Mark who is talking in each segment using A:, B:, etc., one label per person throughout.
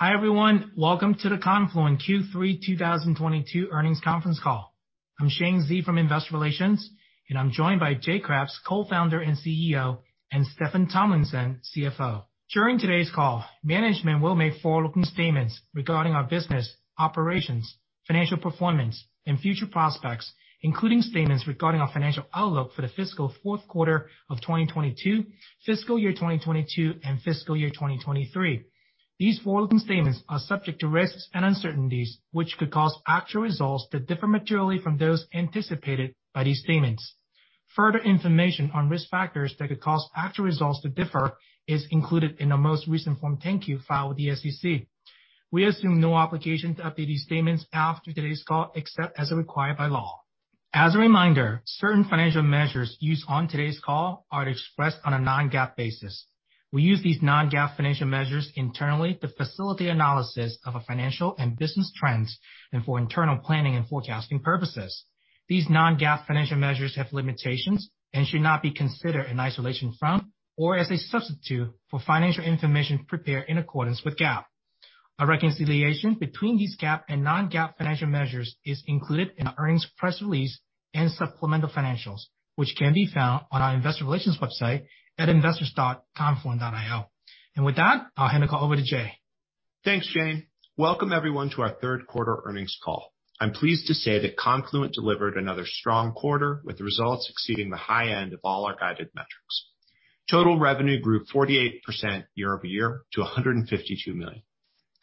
A: Hi, everyone. Welcome to the Confluent Q3 2022 Earnings Conference Call. I'm Shane Xie from Investor Relations, and I'm joined by Jay Kreps, co-founder and CEO, and Steffan Tomlinson, CFO. During today's call, management will make forward-looking statements regarding our business, operations, financial performance, and future prospects, including statements regarding our financial outlook for the fiscal fourth quarter of 2022, fiscal year 2022, and fiscal year 2023. These forward-looking statements are subject to risks and uncertainties, which could cause actual results to differ materially from those anticipated by these statements. Further information on risk factors that could cause actual results to differ is included in our most recent Form 10-Q filed with the SEC. We assume no obligation to update these statements after today's call, except as required by law. As a reminder, certain financial measures used on today's call are expressed on a non-GAAP basis. We use these non-GAAP financial measures internally to facilitate analysis of our financial and business trends and for internal planning and forecasting purposes. These non-GAAP financial measures have limitations and should not be considered in isolation from or as a substitute for financial information prepared in accordance with GAAP. A reconciliation between these GAAP and non-GAAP financial measures is included in our earnings press release and supplemental financials, which can be found on our investor relations website at investors.confluent.io. With that, I'll hand the call over to Jay.
B: Thanks, Shane. Welcome, everyone, to our third quarter earnings call. I'm pleased to say that Confluent delivered another strong quarter, with results exceeding the high end of all our guided metrics. Total revenue grew 48% year-over-year to $152 million.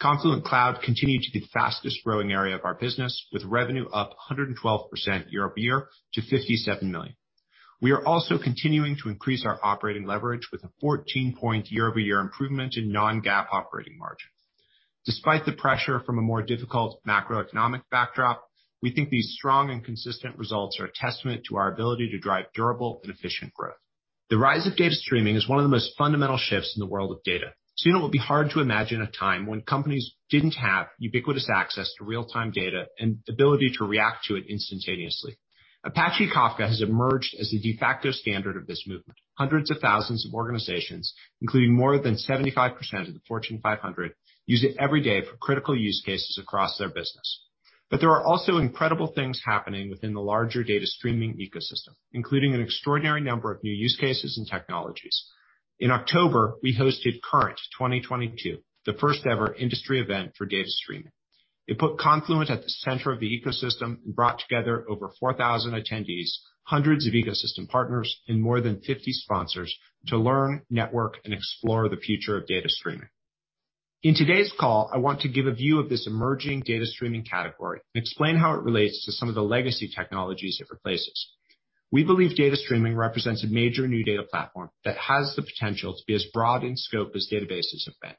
B: Confluent Cloud continued to be the fastest growing area of our business, with revenue up 112% year-over-year to $57 million. We are also continuing to increase our operating leverage with a 14-point year-over-year improvement in non-GAAP operating margin. Despite the pressure from a more difficult macroeconomic backdrop, we think these strong and consistent results are a testament to our ability to drive durable and efficient growth. The rise of data streaming is one of the most fundamental shifts in the world of data. Soon it will be hard to imagine a time when companies didn't have ubiquitous access to real-time data and the ability to react to it instantaneously. Apache Kafka has emerged as the de facto standard of this movement. Hundreds of thousands of organizations, including more than 75% of the Fortune 500, use it every day for critical use cases across their business. There are also incredible things happening within the larger data streaming ecosystem, including an extraordinary number of new use cases and technologies. In October, we hosted Current 2022, the first ever industry event for data streaming. It put Confluent at the center of the ecosystem and brought together over 4,000 attendees, hundreds of ecosystem partners, and more than 50 sponsors to learn, network, and explore the future of data streaming. In today's call, I want to give a view of this emerging data streaming category and explain how it relates to some of the legacy technologies it replaces. We believe data streaming represents a major new data platform that has the potential to be as broad in scope as databases have been.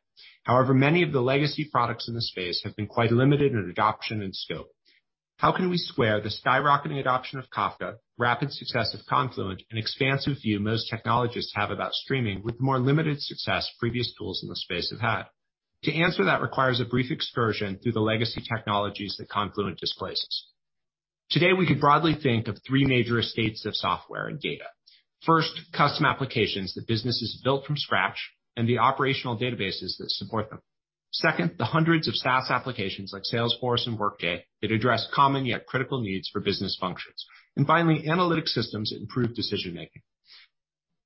B: However, many of the legacy products in the space have been quite limited in adoption and scope. How can we square the skyrocketing adoption of Kafka, rapid success of Confluent, and expansive view most technologists have about streaming with more limited success previous tools in the space have had? To answer that requires a brief excursion through the legacy technologies that Confluent displaces. Today, we could broadly think of three major estates of software and data. First, custom applications that business has built from scratch and the operational databases that support them. Second, the hundreds of SaaS applications like Salesforce and Workday that address common yet critical needs for business functions. Finally, analytic systems that improve decision-making.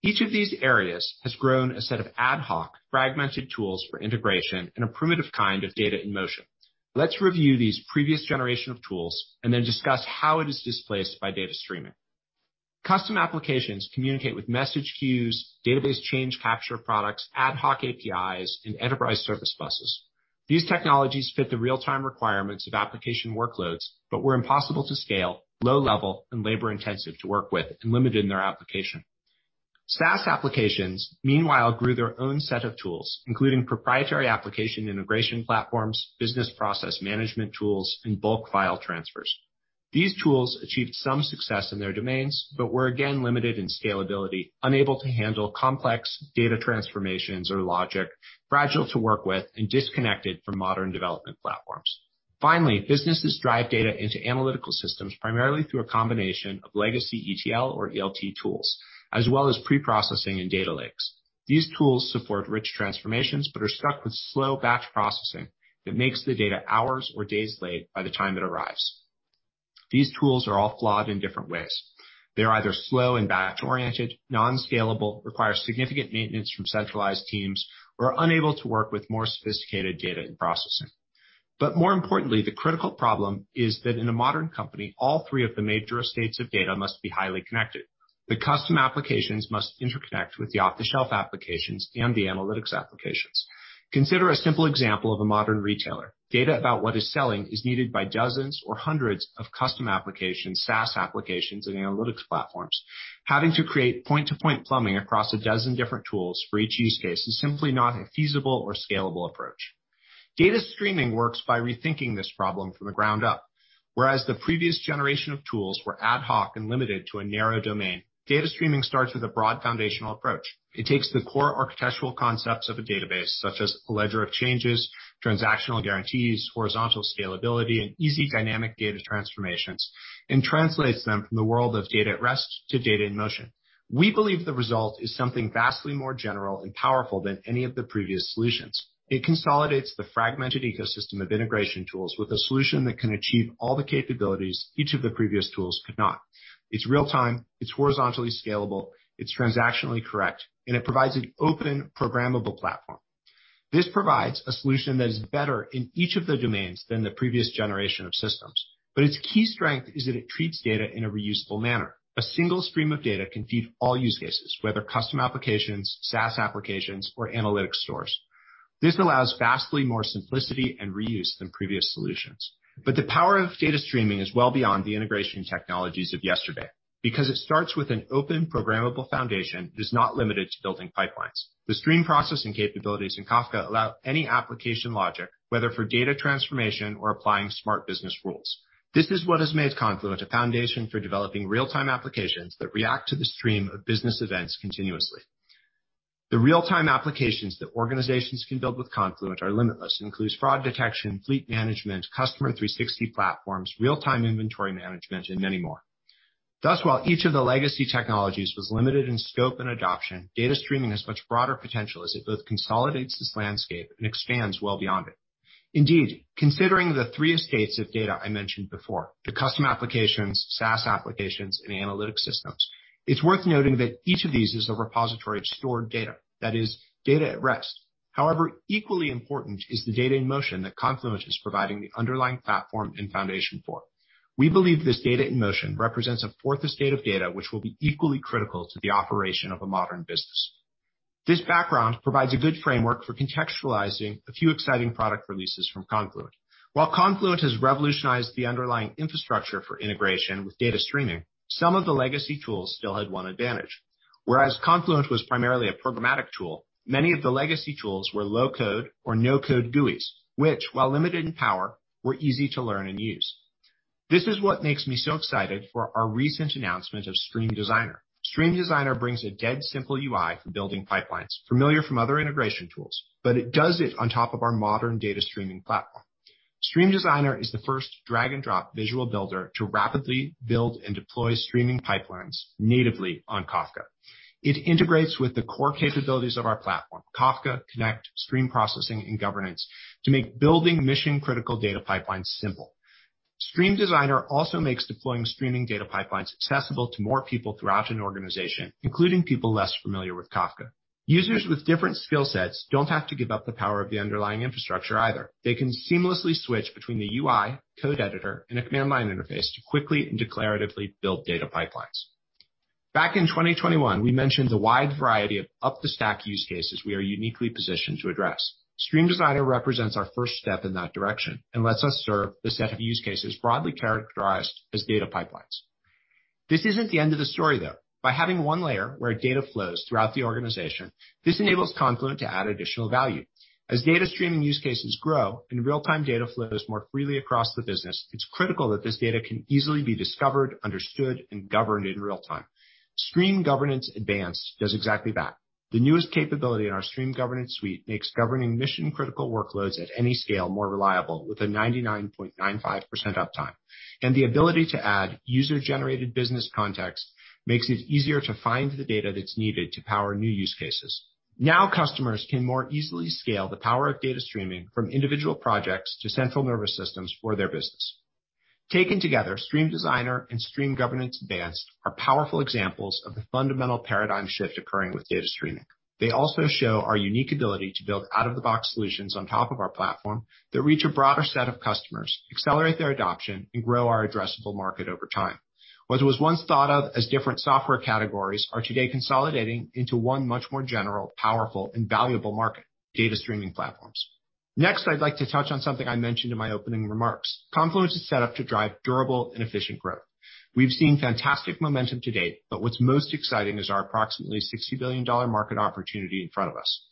B: Each of these areas has grown a set of ad hoc fragmented tools for integration and a primitive kind of data in motion. Let's review these previous generation of tools and then discuss how it is displaced by data streaming. Custom applications communicate with message queues, database change capture products, ad hoc APIs, and enterprise service buses. These technologies fit the real-time requirements of application workloads, but were impossible to scale, low level and labor-intensive to work with, and limited in their application. SaaS applications, meanwhile, grew their own set of tools, including proprietary application integration platforms, business process management tools, and bulk file transfers. These tools achieved some success in their domains, but were again limited in scalability, unable to handle complex data transformations or logic, fragile to work with, and disconnected from modern development platforms. Finally, businesses drive data into analytical systems primarily through a combination of legacy ETL or ELT tools, as well as preprocessing and data lakes. These tools support rich transformations, but are stuck with slow batch processing that makes the data hours or days late by the time it arrives. These tools are all flawed in different ways. They are either slow and batch-oriented, non-scalable, require significant maintenance from centralized teams, or are unable to work with more sophisticated data and processing. But more importantly, the critical problem is that in a modern company, all three of the major estates of data must be highly connected. The custom applications must interconnect with the off-the-shelf applications and the analytics applications. Consider a simple example of a modern retailer. Data about what is selling is needed by dozens or hundreds of custom applications, SaaS applications, and analytics platforms. Having to create point-to-point plumbing across a dozen different tools for each use case is simply not a feasible or scalable approach. Data streaming works by rethinking this problem from the ground up, whereas the previous generation of tools were ad hoc and limited to a narrow domain. Data streaming starts with a broad foundational approach. It takes the core architectural concepts of a database, such as a ledger of changes, transactional guarantees, horizontal scalability, and easy dynamic data transformations, and translates them from the world of data at rest to data in motion. We believe the result is something vastly more general and powerful than any of the previous solutions. It consolidates the fragmented ecosystem of integration tools with a solution that can achieve all the capabilities each of the previous tools could not. It's real-time, it's horizontally scalable, it's transactionally correct, and it provides an open programmable platform. This provides a solution that is better in each of the domains than the previous generation of systems, but its key strength is that it treats data in a reusable manner. A single stream of data can feed all use cases, whether custom applications, SaaS applications, or analytics stores. This allows vastly more simplicity and reuse than previous solutions. The power of data streaming is well beyond the integration technologies of yesterday. Because it starts with an open programmable foundation, it is not limited to building pipelines. The stream processing capabilities in Kafka allow any application logic, whether for data transformation or applying smart business rules. This is what has made Confluent a foundation for developing real-time applications that react to the stream of business events continuously. The real-time applications that organizations can build with Confluent are limitless. Includes fraud detection, fleet management, Customer 360 platforms, real-time inventory management, and many more. Thus, while each of the legacy technologies was limited in scope and adoption, data streaming has much broader potential as it both consolidates this landscape and expands well beyond it. Indeed, considering the three estates of data I mentioned before, the custom applications, SaaS applications, and analytics systems, it's worth noting that each of these is a repository of stored data. That is data at rest. However, equally important is the data in motion that Confluent is providing the underlying platform and foundation for. We believe this data in motion represents a fourth estate of data which will be equally critical to the operation of a modern business. This background provides a good framework for contextualizing a few exciting product releases from Confluent. While Confluent has revolutionized the underlying infrastructure for integration with data streaming, some of the legacy tools still had one advantage. Whereas Confluent was primarily a programmatic tool, many of the legacy tools were low-code or no-code GUIs, which, while limited in power, were easy to learn and use. This is what makes me so excited for our recent announcement of Stream Designer. Stream Designer brings a dead simple UI for building pipelines familiar from other integration tools, but it does it on top of our modern data streaming platform. Stream Designer is the first drag and drop visual builder to rapidly build and deploy streaming pipelines natively on Kafka. It integrates with the core capabilities of our platform, Kafka Connect, stream processing, and governance to make building mission-critical data pipelines simple. Stream Designer also makes deploying streaming data pipelines accessible to more people throughout an organization, including people less familiar with Kafka. Users with different skill sets don't have to give up the power of the underlying infrastructure either. They can seamlessly switch between the UI, code editor, and a command line interface to quickly and declaratively build data pipelines. Back in 2021, we mentioned the wide variety of up-the-stack use cases we are uniquely positioned to address. Stream Designer represents our first step in that direction and lets us serve the set of use cases broadly characterized as data pipelines. This isn't the end of the story, though. By having one layer where data flows throughout the organization, this enables Confluent to add additional value. As data streaming use cases grow and real-time data flows more freely across the business, it's critical that this data can easily be discovered, understood, and governed in real time. Stream Governance Advanced does exactly that. The newest capability in our stream governance suite makes governing mission-critical workloads at any scale more reliable with a 99.95% uptime. The ability to add user-generated business context makes it easier to find the data that's needed to power new use cases. Now customers can more easily scale the power of data streaming from individual projects to central nervous systems for their business. Taken together, Stream Designer and Stream Governance Advanced are powerful examples of the fundamental paradigm shift occurring with data streaming. They also show our unique ability to build out-of-the-box solutions on top of our platform that reach a broader set of customers, accelerate their adoption, and grow our addressable market over time. What was once thought of as different software categories are today consolidating into one much more general, powerful, and valuable market, data streaming platforms. Next, I'd like to touch on something I mentioned in my opening remarks. Confluent is set up to drive durable and efficient growth. We've seen fantastic momentum to date, but what's most exciting is our approximately $60 billion market opportunity in front of us.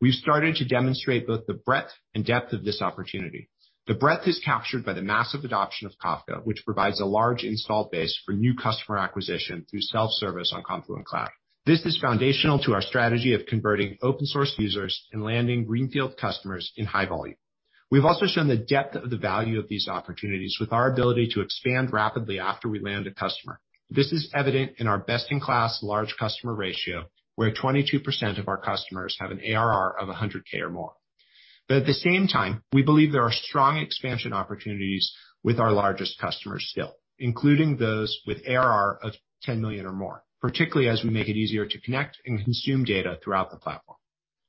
B: We've started to demonstrate both the breadth and depth of this opportunity. The breadth is captured by the massive adoption of Kafka, which provides a large install base for new customer acquisition through self-service on Confluent Cloud. This is foundational to our strategy of converting open source users and landing greenfield customers in high volume. We've also shown the depth of the value of these opportunities with our ability to expand rapidly after we land a customer. This is evident in our best-in-class large customer ratio, where 22% of our customers have an ARR of 100K or more. At the same time, we believe there are strong expansion opportunities with our largest customers still, including those with ARR of 10 million or more, particularly as we make it easier to connect and consume data throughout the platform.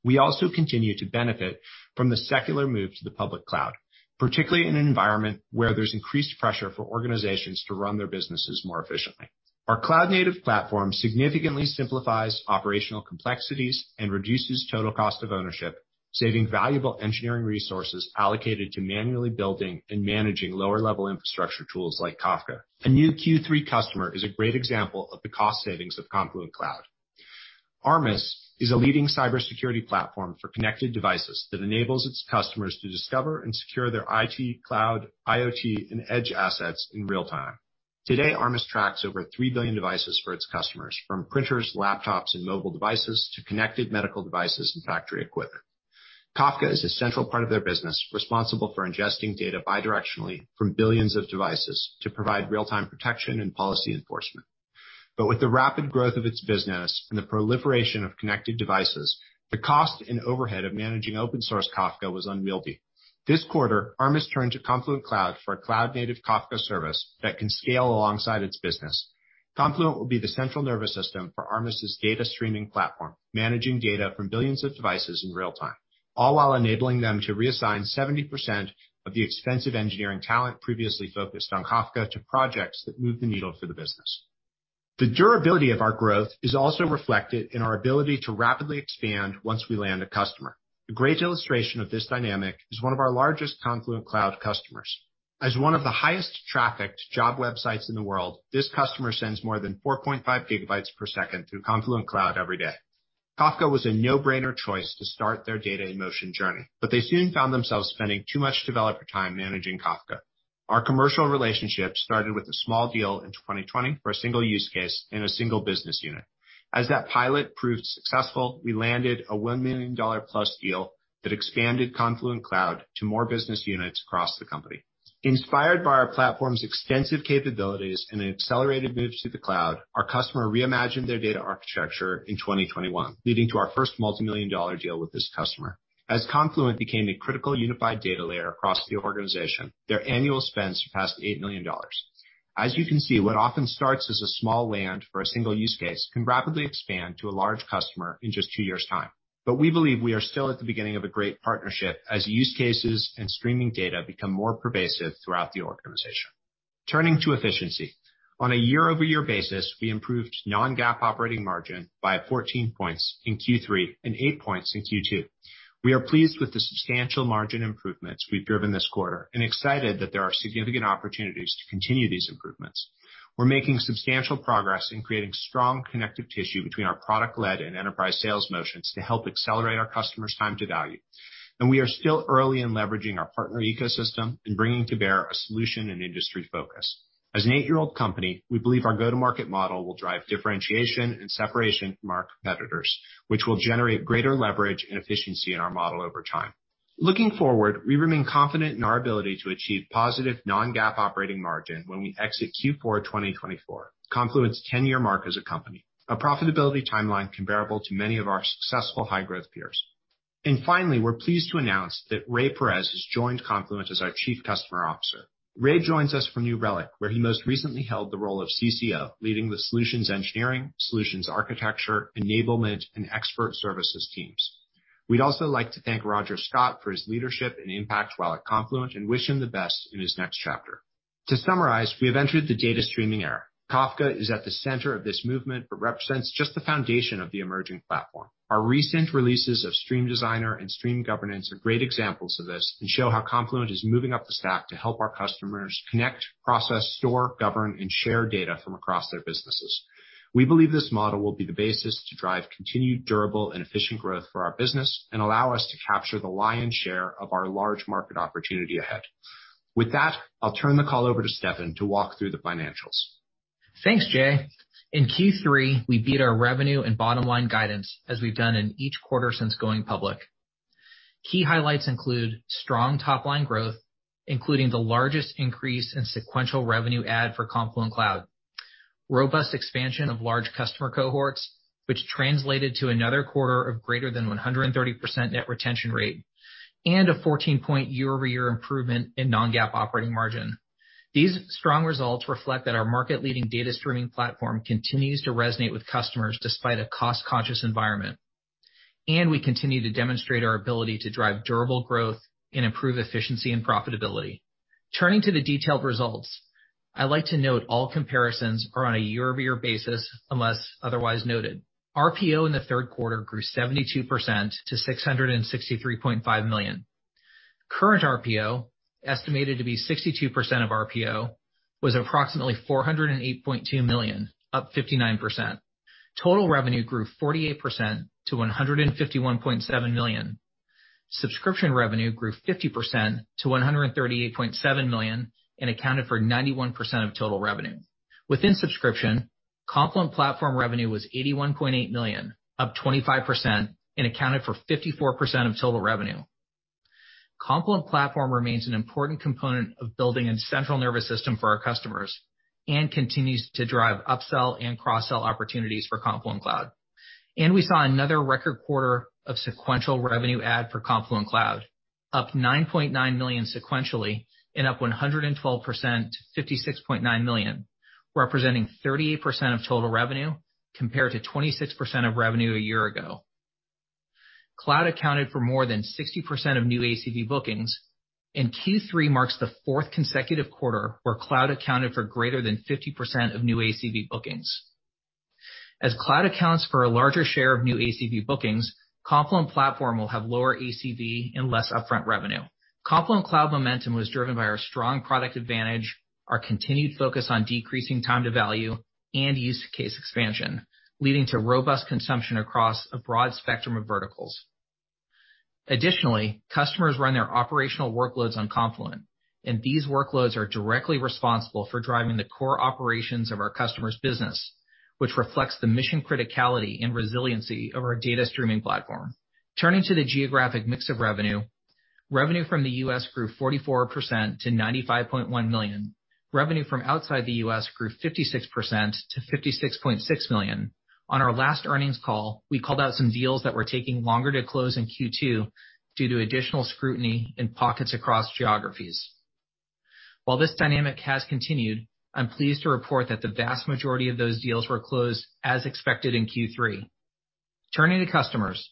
B: We also continue to benefit from the secular move to the public cloud, particularly in an environment where there's increased pressure for organizations to run their businesses more efficiently. Our cloud-native platform significantly simplifies operational complexities and reduces total cost of ownership, saving valuable engineering resources allocated to manually building and managing lower-level infrastructure tools like Kafka. A new Q3 customer is a great example of the cost savings of Confluent Cloud. Armis is a leading cybersecurity platform for connected devices that enables its customers to discover and secure their IT, cloud, IoT, and edge assets in real time. Today, Armis tracks over three billion devices for its customers, from printers, laptops and mobile devices to connected medical devices and factory equipment. Kafka is a central part of their business, responsible for ingesting data bidirectionally from billions of devices to provide real-time protection and policy enforcement. With the rapid growth of its business and the proliferation of connected devices, the cost and overhead of managing open source Kafka was unwieldy. This quarter, Armis turned to Confluent Cloud for a cloud-native Kafka service that can scale alongside its business. Confluent will be the central nervous system for Armis' data streaming platform, managing data from billions of devices in real time, all while enabling them to reassign 70% of the extensive engineering talent previously focused on Kafka to projects that move the needle for the business. The durability of our growth is also reflected in our ability to rapidly expand once we land a customer. A great illustration of this dynamic is one of our largest Confluent Cloud customers. As one of the highest trafficked job websites in the world, this customer sends more than 4.5 GB per second through Confluent Cloud every day. Kafka was a no-brainer choice to start their data in motion journey, but they soon found themselves spending too much developer time managing Kafka. Our commercial relationship started with a small deal in 2020 for a single use case in a single business unit. As that pilot proved successful, we landed a $1 million+ deal that expanded Confluent Cloud to more business units across the company. Inspired by our platform's extensive capabilities and an accelerated move to the cloud, our customer reimagined their data architecture in 2021, leading to our first multimillion-dollar deal with this customer. As Confluent became a critical unified data layer across the organization, their annual spends surpassed $8 million. As you can see, what often starts as a small land for a single use case can rapidly expand to a large customer in just two years' time. We believe we are still at the beginning of a great partnership as use cases and streaming data become more pervasive throughout the organization. Turning to efficiency. On a year-over-year basis, we improved non-GAAP operating margin by 14 points in Q3 and 8 points in Q2. We are pleased with the substantial margin improvements we've driven this quarter and excited that there are significant opportunities to continue these improvements. We're making substantial progress in creating strong connective tissue between our product-led and enterprise sales motions to help accelerate our customers' time to value. We are still early in leveraging our partner ecosystem and bringing to bear a solution and industry focus. As an eight-year-old company, we believe our go-to-market model will drive differentiation and separation from our competitors, which will generate greater leverage and efficiency in our model over time. Looking forward, we remain confident in our ability to achieve positive non-GAAP operating margin when we exit Q4 2024, Confluent's 10-year mark as a company. A profitability timeline comparable to many of our successful high-growth peers. Finally, we're pleased to announce that Rey Perez has joined Confluent as our Chief Customer Officer. Rey joins us from New Relic, where he most recently held the role of CCO, leading the solutions engineering, solutions architecture, enablement, and expert services teams. We'd also like to thank Roger Scott for his leadership and impact while at Confluent and wish him the best in his next chapter. To summarize, we have entered the data streaming era. Kafka is at the center of this movement, but represents just the foundation of the emerging platform. Our recent releases of Stream Designer and Stream Governance are great examples of this and show how Confluent is moving up the stack to help our customers connect, process, store, govern, and share data from across their businesses. We believe this model will be the basis to drive continued durable and efficient growth for our business and allow us to capture the lion's share of our large market opportunity ahead. With that, I'll turn the call over to Steffan to walk through the financials.
C: Thanks, Jay. In Q3, we beat our revenue and bottom line guidance as we've done in each quarter since going public. Key highlights include strong top line growth, including the largest increase in sequential revenue and for Confluent Cloud. Robust expansion of large customer cohorts, which translated to another quarter of greater than 130% net retention rate, and a 14-point year-over-year improvement in non-GAAP operating margin. These strong results reflect that our market leading data streaming platform continues to resonate with customers despite a cost-conscious environment. We continue to demonstrate our ability to drive durable growth and improve efficiency and profitability. Turning to the detailed results, I'd like to note all comparisons are on a year-over-year basis unless otherwise noted. RPO in the third quarter grew 72% to $663.5 million. Current RPO, estimated to be 62% of RPO, was approximately $408.2 million, up 59%. Total revenue grew 48% to $151.7 million. Subscription revenue grew 50% to $138.7 million and accounted for 91% of total revenue. Within subscription, Confluent Platform revenue was $81.8 million, up 25%, and accounted for 54% of total revenue. Confluent Platform remains an important component of building a central nervous system for our customers and continues to drive upsell and cross-sell opportunities for Confluent Cloud. We saw another record quarter of sequential revenue add for Confluent Cloud, up $9.9 million sequentially and up 112% to $56.9 million, representing 38% of total revenue compared to 26% of revenue a year ago. Cloud accounted for more than 60% of new ACV bookings, and Q3 marks the fourth consecutive quarter where cloud accounted for greater than 50% of new ACV bookings. As cloud accounts for a larger share of new ACV bookings, Confluent Platform will have lower ACV and less upfront revenue. Confluent Cloud momentum was driven by our strong product advantage, our continued focus on decreasing time to value, and use case expansion, leading to robust consumption across a broad spectrum of verticals. Additionally, customers run their operational workloads on Confluent, and these workloads are directly responsible for driving the core operations of our customer's business, which reflects the mission criticality and resiliency of our data streaming platform. Turning to the geographic mix of revenue. Revenue from the U.S. grew 44% to $95.1 million. Revenue from outside the U.S. grew 56% to $56.6 million. On our last earnings call, we called out some deals that were taking longer to close in Q2 due to additional scrutiny in pockets across geographies. While this dynamic has continued, I'm pleased to report that the vast majority of those deals were closed as expected in Q3. Turning to customers.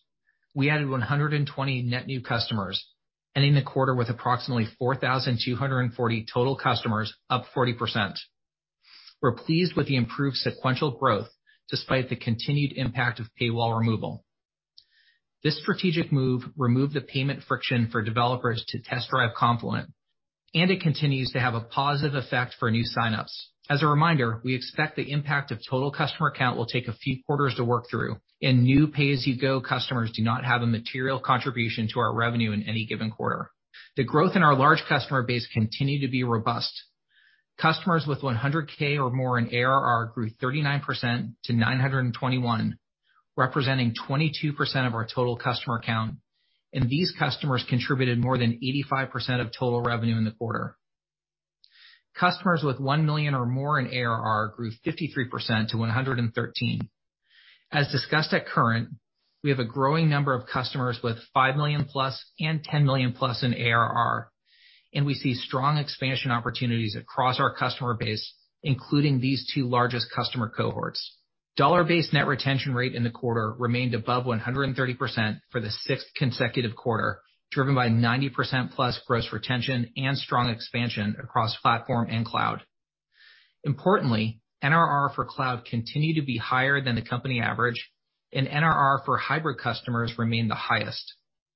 C: We added 120 net new customers, ending the quarter with approximately 4,240 total customers, up 40%. We're pleased with the improved sequential growth despite the continued impact of paywall removal. This strategic move removed the payment friction for developers to test-drive Confluent, and it continues to have a positive effect for new sign-ups. As a reminder, we expect the impact of total customer count will take a few quarters to work through, and new pay-as-you-go customers do not have a material contribution to our revenue in any given quarter. The growth in our large customer base continued to be robust. Customers with $100K or more in ARR grew 39% to 921, representing 22% of our total customer count, and these customers contributed more than 85% of total revenue in the quarter. Customers with $1 million or more in ARR grew 53% to 113. As discussed at Current, we have a growing number of customers with $5 million+ and $10 million+ in ARR, and we see strong expansion opportunities across our customer base, including these two largest customer cohorts. Dollar-based net retention rate in the quarter remained above 130% for the sixth consecutive quarter, driven by 90%+ gross retention and strong expansion across platform and cloud. Importantly, NRR for cloud continued to be higher than the company average, and NRR for hybrid customers remained the highest.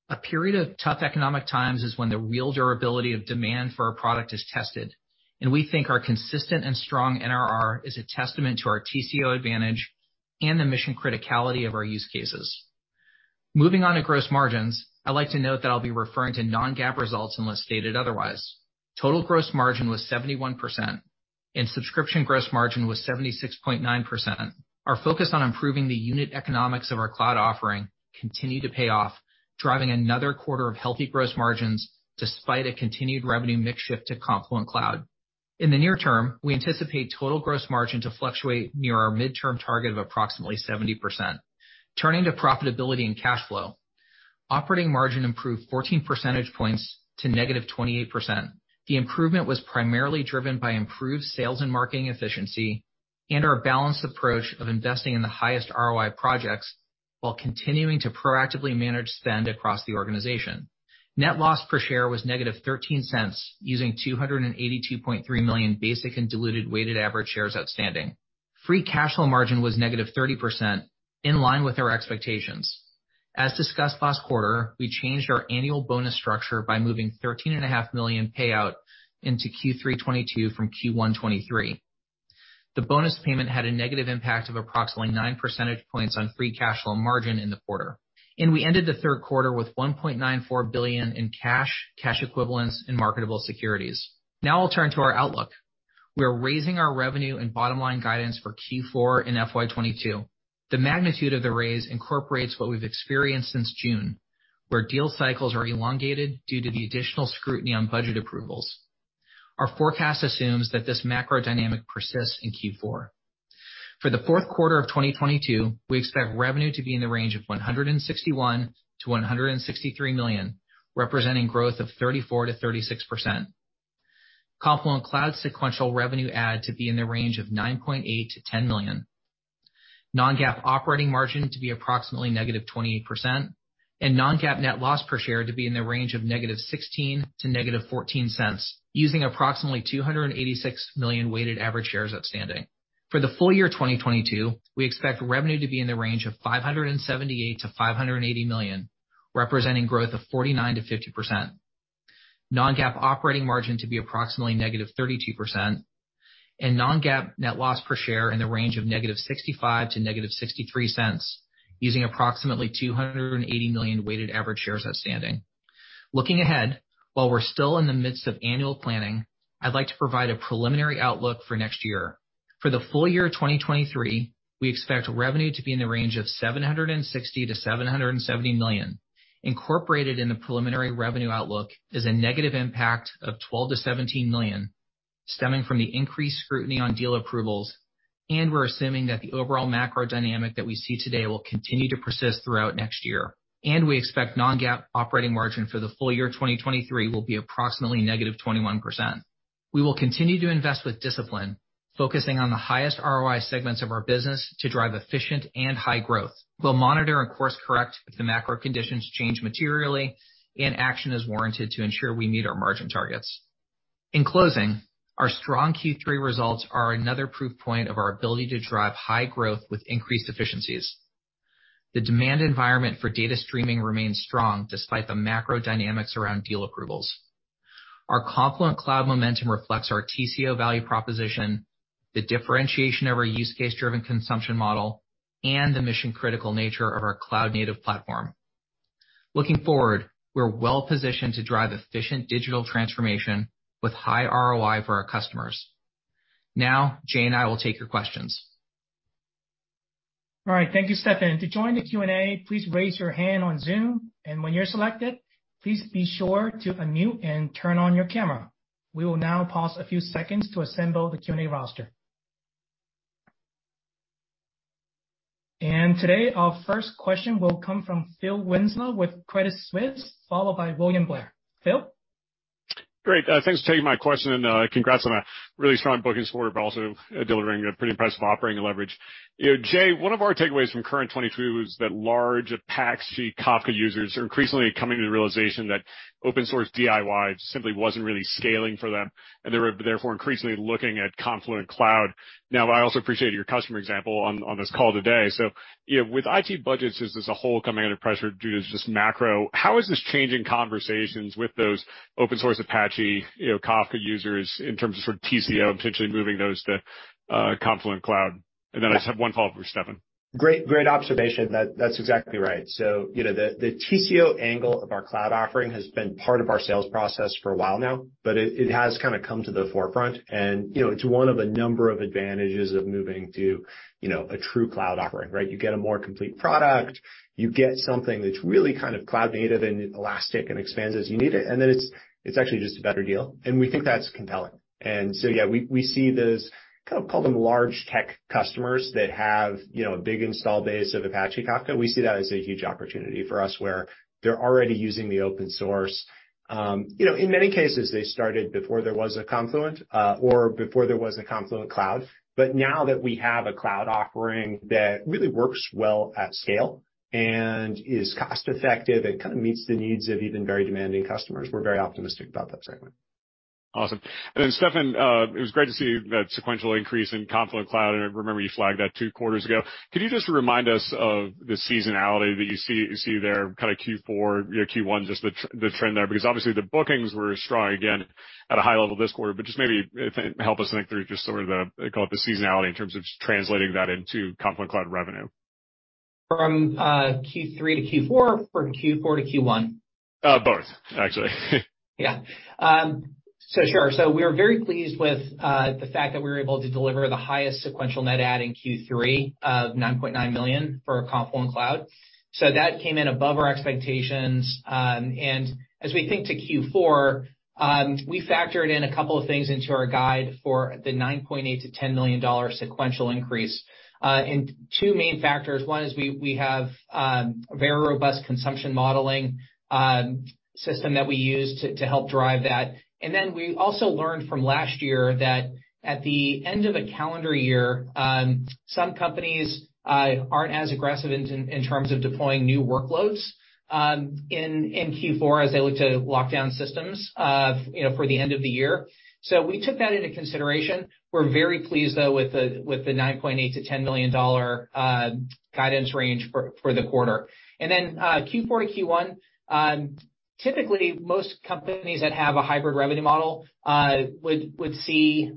C: A period of tough economic times is when the real durability of demand for our product is tested, and we think our consistent and strong NRR is a testament to our TCO advantage and the mission criticality of our use cases. Moving on to gross margins. I'd like to note that I'll be referring to non-GAAP results unless stated otherwise. Total gross margin was 71%, and subscription gross margin was 76.9%. Our focus on improving the unit economics of our cloud offering continued to pay off, driving another quarter of healthy gross margins despite a continued revenue mix shift to Confluent Cloud. In the near-term, we anticipate total gross margin to fluctuate near our midterm target of approximately 70%. Turning to profitability and cash flow. Operating margin improved 14 percentage points to -28%. The improvement was primarily driven by improved sales and marketing efficiency and our balanced approach of investing in the highest ROI projects while continuing to proactively manage spend across the organization. Net loss per share was -$0.13, using 282.3 million basic and diluted weighted average shares outstanding. Free cash flow margin was -30%, in line with our expectations. As discussed last quarter, we changed our annual bonus structure by moving $13.5 million payout into Q3 2022 from Q1 2023. The bonus payment had a negative impact of approximately nine percentage points on free cash flow margin in the quarter, and we ended the third quarter with $1.94 billion in cash equivalents, and marketable securities. Now I'll turn to our outlook. We are raising our revenue and bottom-line guidance for Q4 in FY 2022. The magnitude of the raise incorporates what we've experienced since June, where deal cycles are elongated due to the additional scrutiny on budget approvals. Our forecast assumes that this macro dynamic persists in Q4. For the fourth quarter of 2022, we expect revenue to be in the range of $161 million-$163 million, representing growth of 34%-36%. Confluent Cloud sequential revenue add to be in the range of $9.8 million-$10 million. Non-GAAP operating margin to be approximately -28%. Non-GAAP net loss per share to be in the range of negative$0.16 cents-negative$0.14 cents, using approximately 286 million weighted average shares outstanding. For the full year 2022, we expect revenue to be in the range of $578 million-$580 million, representing growth of 49%-50%. Non-GAAP operating margin to be approximately -32%. Non-GAAP net loss per share in the range of negative $0.65-negative $0.63, using approximately 280 million weighted average shares outstanding. Looking ahead, while we're still in the midst of annual planning, I'd like to provide a preliminary outlook for next year. For the full year 2023, we expect revenue to be in the range of $760 million-$770 million. Incorporated in the preliminary revenue outlook is a negative impact of $12 million-$17 million stemming from the increased scrutiny on deal approvals, and we're assuming that the overall macro dynamic that we see today will continue to persist throughout next year. We expect non-GAAP operating margin for the full year 2023 will be approximately negative 21%. We will continue to invest with discipline, focusing on the highest ROI segments of our business to drive efficient and high growth. We'll monitor and course correct if the macro conditions change materially and action is warranted to ensure we meet our margin targets. In closing, our strong Q3 results are another proof point of our ability to drive high growth with increased efficiencies. The demand environment for data streaming remains strong despite the macro dynamics around deal approvals. Our Confluent Cloud momentum reflects our TCO value proposition. The differentiation of our use case-driven consumption model and the mission-critical nature of our cloud-native platform. Looking forward, we're well-positioned to drive efficient digital transformation with high ROI for our customers. Now Jay and I will take your questions.
A: All right, thank you, Steffan. To join the Q&A, please raise your hand on Zoom, and when you're selected, please be sure to unmute and turn on your camera. We will now pause a few seconds to assemble the Q&A roster. Today, our first question will come from Phil Winslow with Credit Suisse, followed by William Blair. Phil?
D: Great. Thanks for taking my question and, congrats on a really strong bookings quarter, but also delivering a pretty impressive operating leverage. You know, Jay, one of our takeaways from Current 2022 was that large Apache Kafka users are increasingly coming to the realization that open source DIY simply wasn't really scaling for them, and they were therefore increasingly looking at Confluent Cloud. Now, I also appreciate your customer example on this call today. You know, with IT budgets as a whole coming under pressure due to just macro, how is this changing conversations with those open source Apache, you know, Kafka users in terms of sort of TCO potentially moving those to Confluent Cloud? I just have one follow-up for Steffan.
B: Great observation. That's exactly right. You know, the TCO angle of our cloud offering has been part of our sales process for a while now, but it has kinda come to the forefront and, you know, it's one of a number of advantages of moving to, you know, a true cloud offering, right? You get a more complete product. You get something that's really kind of cloud native and elastic and expands as you need it, and then it's actually just a better deal, and we think that's compelling. Yeah, we see those, kind of call them large tech customers that have, you know, a big install base of Apache Kafka. We see that as a huge opportunity for us, where they're already using the open source. You know, in many cases, they started before there was a Confluent, or before there was a Confluent Cloud. Now that we have a cloud offering that really works well at scale and is cost effective and kind of meets the needs of even very demanding customers, we're very optimistic about that segment.
D: Awesome. Then Steffan, it was great to see that sequential increase in Confluent Cloud, and I remember you flagged that two quarters ago. Could you just remind us of the seasonality that you see there, kinda Q4, you know, Q1, just the trend there? Because obviously the bookings were strong again at a high level this quarter, but just maybe help us think through just sort of the, call it the seasonality in terms of translating that into Confluent Cloud revenue.
C: From Q3-Q4 or Q4-Q1?
D: Both, actually.
C: Yeah. Sure. We're very pleased with the fact that we were able to deliver the highest sequential net add in Q3 of $9.9 million for Confluent Cloud. That came in above our expectations. As we think to Q4, we factored in a couple of things into our guide for the $9.8-$10 million sequential increase. Two main factors. One is we have a very robust consumption modeling system that we use to help drive that. We also learned from last year that at the end of a calendar year, some companies aren't as aggressive in terms of deploying new workloads in Q4 as they look to lock down systems, you know, for the end of the year. We took that into consideration. We're very pleased, though, with the $9.8-$10 million guidance range for the quarter. Q4-Q1, typically most companies that have a hybrid revenue model would see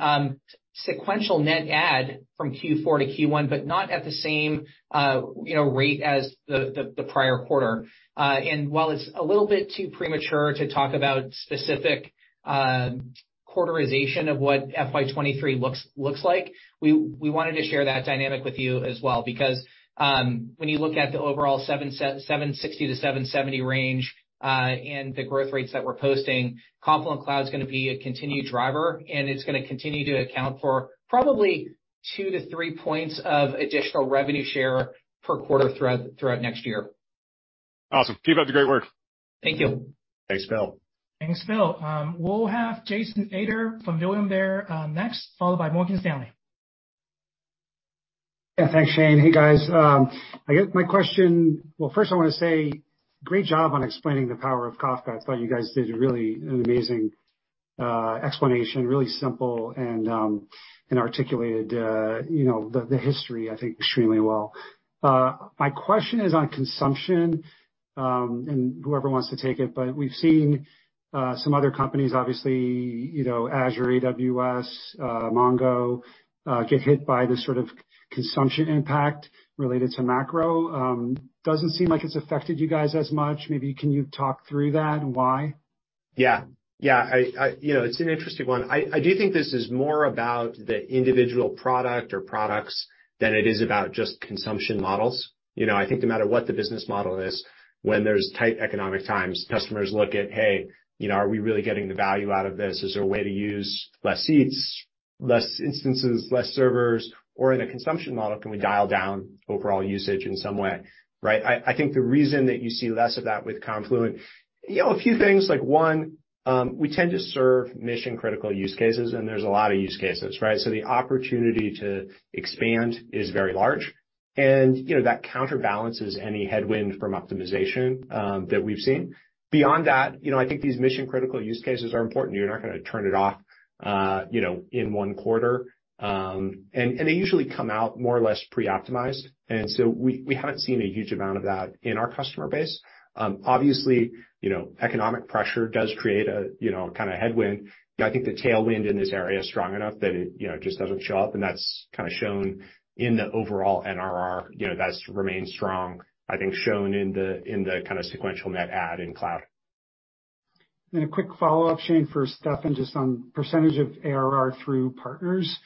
C: sequential net add from Q4-Q1, but not at the same, you know, rate as the prior quarter. While it's a little bit too premature to talk about specific quarterization of what FY 2023 looks like, we wanted to share that dynamic with you as well because when you look at the overall 760-770 range and the growth rates that we're posting, Confluent Cloud's gonna be a continued driver, and it's gonna continue to account for probably 2%-3% of additional revenue share per quarter throughout next year.
D: Awesome. Keep up the great work.
C: Thank you.
B: Thanks, Phil.
A: Thanks, Phil. We'll have Jason Ader from William Blair, next, followed by Morgan Stanley.
E: Yeah, thanks, Shane. Hey, guys. Well, first I wanna say great job on explaining the power of Kafka. I thought you guys did a really amazing explanation, really simple and articulated, you know, the history I think extremely well. My question is on consumption, and whoever wants to take it, but we've seen some other companies obviously, you know, Azure, AWS, MongoDB, get hit by this sort of consumption impact related to macro. Doesn't seem like it's affected you guys as much. Maybe you can talk through that and why?
B: You know, it's an interesting one. I do think this is more about the individual product or products than it is about just consumption models. You know, I think no matter what the business model is, when there's tight economic times, customers look at, "Hey, you know, are we really getting the value out of this? Is there a way to use less seats, less instances, less servers? Or in a consumption model, can we dial down overall usage in some way," right? I think the reason that you see less of that with Confluent, you know, a few things, like one, we tend to serve mission-critical use cases, and there's a lot of use cases, right? The opportunity to expand is very large. You know, that counterbalances any headwind from optimization that we've seen. Beyond that, you know, I think these mission-critical use cases are important. You're not gonna turn it off, you know, in one quarter. They usually come out more or less pre-optimized, so we haven't seen a huge amount of that in our customer base. Obviously, you know, economic pressure does create a, you know, kinda headwind. You know, I think the tailwind in this area is strong enough that it, you know, just doesn't show up, and that's kinda shown in the overall NRR. You know, that's remained strong, I think shown in the kinda sequential net add in cloud.
E: A quick follow-up, Shane, for Steffan, just on percentage of ARR through partners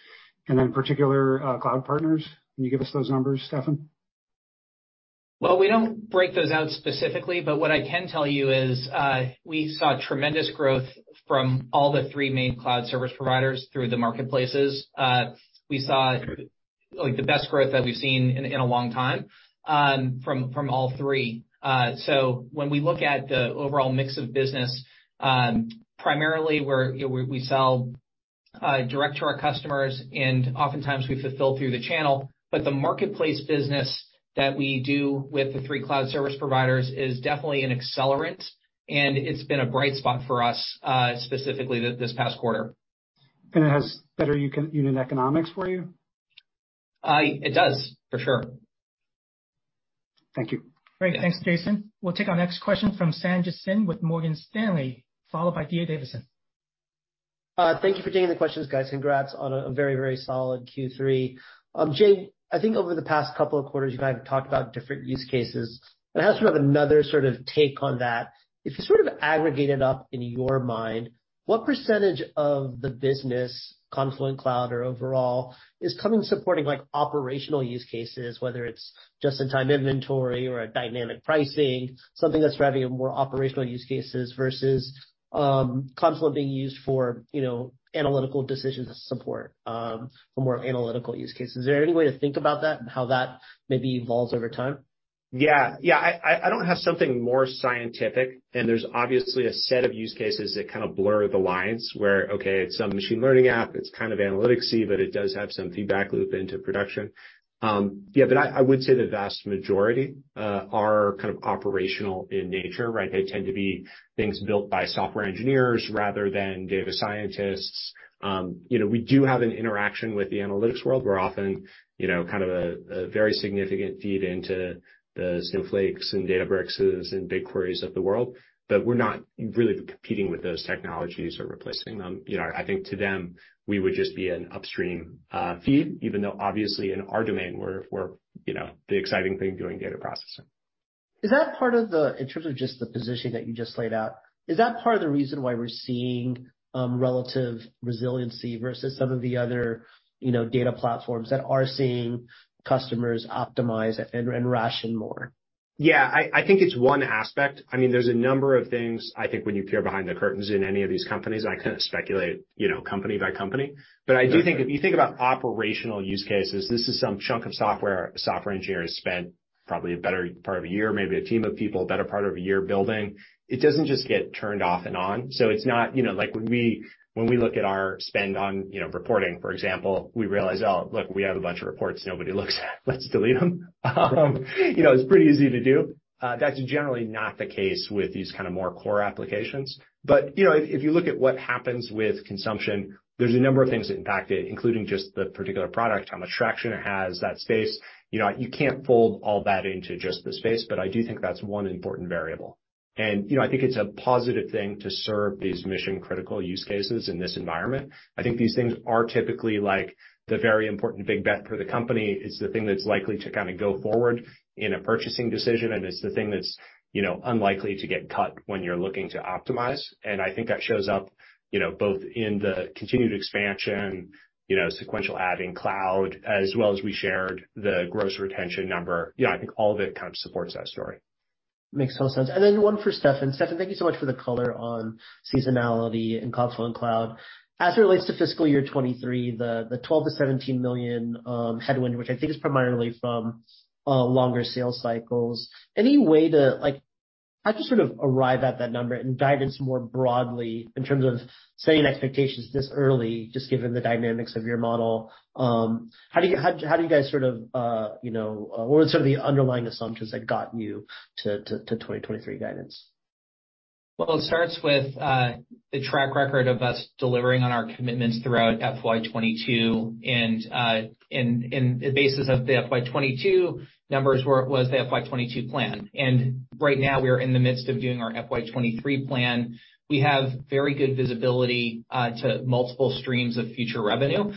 E: and in particular, cloud partners. Can you give us those numbers, Steffan?
C: Well, we don't break those out specifically, but what I can tell you is, we saw tremendous growth from all the three main cloud service providers through the marketplaces. We saw, like, the best growth that we've seen in a long time, from all three. When we look at the overall mix of business, primarily we sell direct to our customers, and oftentimes we fulfill through the channel. The marketplace business that we do with the three cloud service providers is definitely an accelerant, and it's been a bright spot for us, specifically this past quarter.
E: It has better unit economics for you?
C: It does, for sure.
E: Thank you.
A: Great. Thanks, Jason. We'll take our next question from Sanjit Singh with Morgan Stanley, followed by D.A. Davidson.
F: Thank you for taking the questions, guys. Congrats on a very, very solid Q3. Jay, I think over the past couple of quarters, you guys have talked about different use cases. I have sort of another sort of take on that. If you sort of aggregate it up in your mind, what percentage of the business, Confluent Cloud or overall, is coming supporting, like, operational use cases, whether it's just-in-time inventory or dynamic pricing, something that's driving more operational use cases versus Confluent being used for, you know, analytical decision support, for more analytical use cases? Is there any way to think about that and how that maybe evolves over time?
B: Yeah. Yeah, I don't have something more scientific, and there's obviously a set of use cases that kind of blur the lines where, okay, it's a machine learning app, it's kind of analytics-y, but it does have some feedback loop into production. Yeah, but I would say the vast majority are kind of operational in nature, right? They tend to be things built by software engineers rather than data scientists. You know, we do have an interaction with the analytics world. We're often, you know, kind of a very significant feed into the Snowflake and Databricks' and BigQuery of the world, but we're not really competing with those technologies or replacing them. You know, I think to them, we would just be an upstream feed, even though obviously in our domain, we're you know, the exciting thing doing data processing.
F: In terms of just the position that you just laid out, is that part of the reason why we're seeing relative resiliency versus some of the other, you know, data platforms that are seeing customers optimize and ration more?
B: Yeah, I think it's one aspect. I mean, there's a number of things, I think when you peer behind the curtains in any of these companies. I couldn't speculate, you know, company by company. I do think if you think about operational use cases, this is some chunk of software a software engineer has spent probably a better part of a year, maybe a team of people, a better part of a year building. It doesn't just get turned off and on. It's not. You know, like when we look at our spend on, you know, reporting, for example, we realize, "Oh, look, we have a bunch of reports nobody looks at. Let's delete them." You know, it's pretty easy to do. That's generally not the case with these kind of more core applications. You know, if you look at what happens with consumption, there's a number of things that impact it, including just the particular product, how much traction it has, that space. You know, you can't fold all that into just the space, but I do think that's one important variable. You know, I think it's a positive thing to serve these mission-critical use cases in this environment. I think these things are typically like the very important big bet for the company. It's the thing that's likely to kinda go forward in a purchasing decision, and it's the thing that's, you know, unlikely to get cut when you're looking to optimize. I think that shows up, you know, both in the continued expansion, you know, sequential adding cloud, as well as we shared the gross retention number. You know, I think all of it kind of supports that story.
F: Makes total sense. Then one for Steffan. Steffan, thank you so much for the color on seasonality in Confluent Cloud. As it relates to fiscal year 2023, the $12 million-$17 million headwind, which I think is primarily from longer sales cycles, any way to like, how'd you sort of arrive at that number and guide it more broadly in terms of setting expectations this early, just given the dynamics of your model? How do you guys sort of, you know, what are sort of the underlying assumptions that got you to 2023 guidance?
C: Well, it starts with the track record of us delivering on our commitments throughout FY 2022. The basis of the FY 2022 numbers was the FY 2022 plan. Right now we are in the midst of doing our FY 2023 plan. We have very good visibility to multiple streams of future revenue.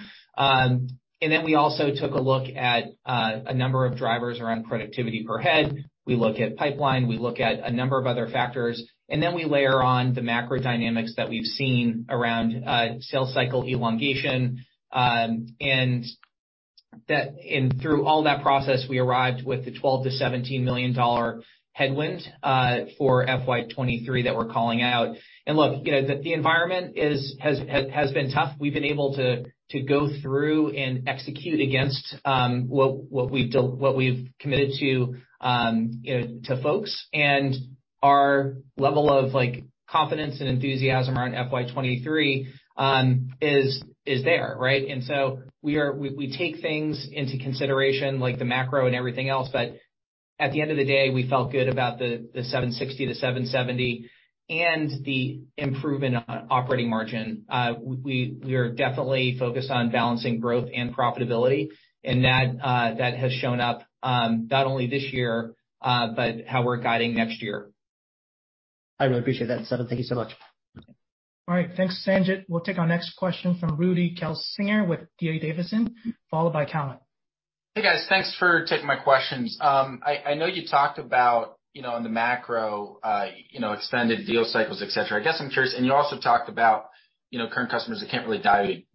C: We also took a look at a number of drivers around productivity per head. We look at pipeline, we look at a number of other factors, and then we layer on the macro dynamics that we've seen around sales cycle elongation. Through all that process, we arrived with the $12 million-$17 million headwind for FY 2023 that we're calling out. Look, you know, the environment has been tough. We've been able to go through and execute against what we've committed to, you know, to folks. Our level of, like, confidence and enthusiasm around FY 2023 is there, right? We take things into consideration like the macro and everything else, but at the end of the day, we felt good about the $760 million, the $770 million, and the improvement on operating margin. We are definitely focused on balancing growth and profitability, and that has shown up not only this year, but how we're guiding next year.
F: I really appreciate that, Steffan. Thank you so much.
A: All right. Thanks, Sanjit. We'll take our next question from Rudy Kessinger with D.A. Davidson, followed by Callum.
G: Hey, guys. Thanks for taking my questions. I know you talked about, you know, on the macro, you know, extended deal cycles, et cetera. I guess I'm curious. You also talked about, you know, current customers that can't really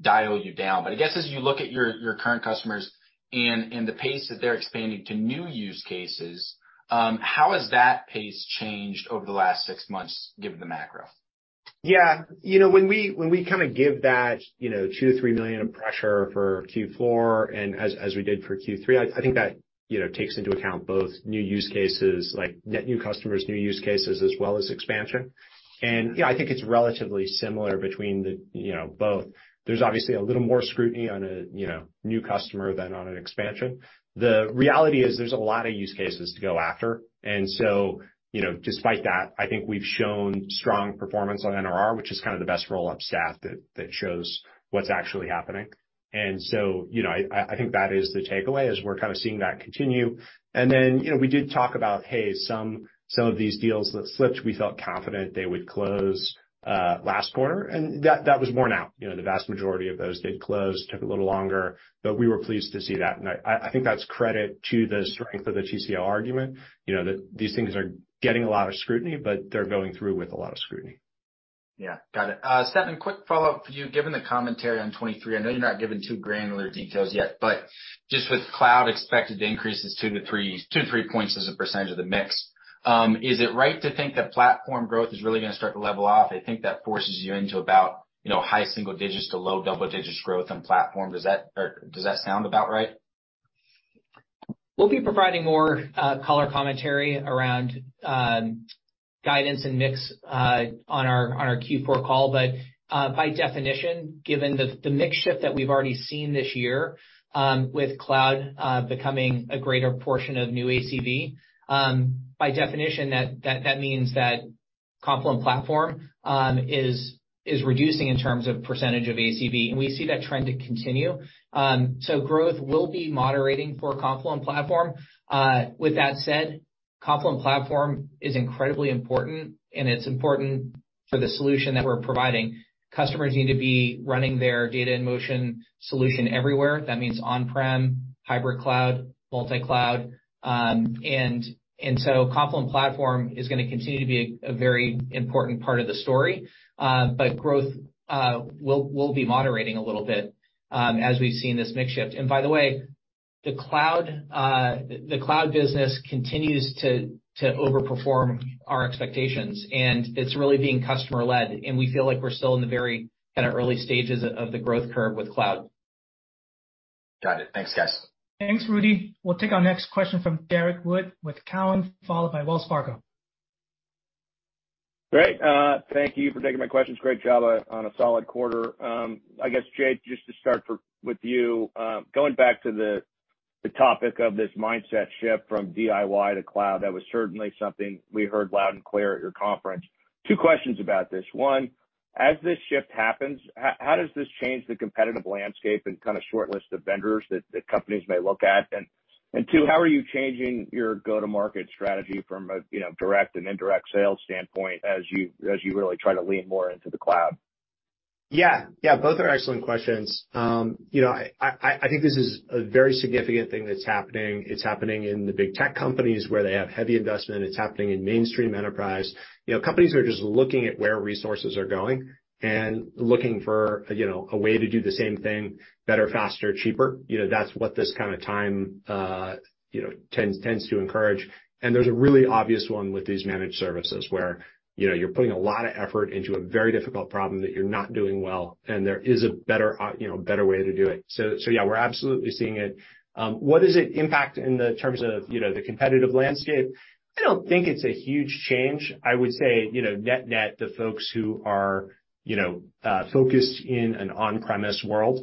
G: dial you down. I guess as you look at your current customers and the pace that they're expanding to new use cases, how has that pace changed over the last six months given the macro?
B: Yeah. You know, when we kinda give that, you know, $2 million-$3 million of pressure for Q4 and as we did for Q3, I think that, you know, takes into account both new use cases, like net new customers, new use cases, as well as expansion. Yeah, I think it's relatively similar between the, you know, both. There's obviously a little more scrutiny on a, you know, new customer than on an expansion. The reality is there's a lot of use cases to go after. You know, despite that, I think we've shown strong performance on NRR, which is kinda the best roll-up stat that shows what's actually happening. You know, I think that is the takeaway, is we're kinda seeing that continue. You know, we did talk about, hey, some of these deals that slipped, we felt confident they would close last quarter, and that was borne out. You know, the vast majority of those did close. Took a little longer, but we were pleased to see that. I think that's credit to the strength of the TCO argument, you know, that these things are getting a lot of scrutiny, but they're going through with a lot of scrutiny.
G: Yeah. Got it. Steffan, quick follow-up for you. Given the commentary on 2023, I know you're not giving too granular details yet, but just with cloud expected increases two to three, two to three points as a percentage of the mix, is it right to think that platform growth is really gonna start to level off? I think that forces you into about, you know, high single digits to low double digits growth on platform. Does that or does that sound about right?
C: We'll be providing more color commentary around guidance and mix on our Q4 call. By definition, given the mix shift that we've already seen this year with cloud becoming a greater portion of new ACV, by definition, that means that Confluent Platform is reducing in terms of percentage of ACV, and we see that trend to continue. Growth will be moderating for Confluent Platform. With that said, Confluent Platform is incredibly important, and it's important for the solution that we're providing. Customers need to be running their data in motion solution everywhere. That means on-prem, hybrid cloud, multi-cloud. Confluent Platform is gonna continue to be a very important part of the story. Growth will be moderating a little bit, as we've seen this mix shift. By the way, the cloud business continues to overperform our expectations, and it's really being customer-led, and we feel like we're still in the very kinda early stages of the growth curve with cloud.
G: Got it. Thanks, guys.
A: Thanks, Rudy. We'll take our next question from Derrick Wood with Cowen, followed by Wells Fargo.
H: Great. Thank you for taking my questions. Great job on a solid quarter. I guess, Jay, just to start with you, going back to the topic of this mindset shift from DIY to cloud, that was certainly something we heard loud and clear at your conference. Two questions about this. One, as this shift happens, how does this change the competitive landscape and kinda short list of vendors that companies may look at? Two, how are you changing your go-to-market strategy from a you know, direct and indirect sales standpoint as you really try to lean more into the cloud?
B: Yeah. Yeah, both are excellent questions. I think this is a very significant thing that's happening. It's happening in the big tech companies where they have heavy investment. It's happening in mainstream enterprise. You know, companies are just looking at where resources are going and looking for, you know, a way to do the same thing better, faster, cheaper. You know, that's what this kinda time tends to encourage. There's a really obvious one with these managed services where, you know, you're putting a lot of effort into a very difficult problem that you're not doing well, and there is a better way to do it. Yeah, we're absolutely seeing it. What's the impact in terms of, you know, the competitive landscape? I don't think it's a huge change. I would say, you know, net-net, the folks who are, you know, focused in an on-premise world,